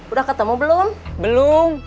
udah ketemu belum belum